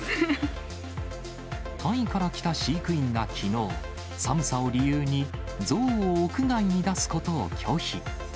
タイから来た飼育員がきのう、寒さを理由に、象を屋外に出すことを拒否。